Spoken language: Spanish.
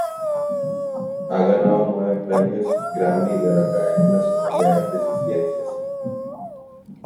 Ha ganado nueve "Premios Grammy" de la Academia Nacional de Artes y Ciencias.